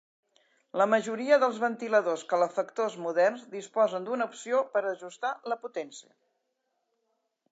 La majoria dels ventiladors calefactors moderns disposen d'una opció per ajustar la potència.